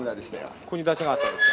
ここに山車があったんですか？